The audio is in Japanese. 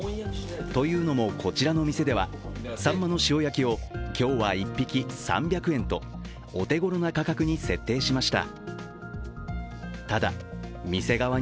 というのも、こちらの店ではさんまの塩焼きを今日は１匹３００円とお手ごろな価格に設定しました。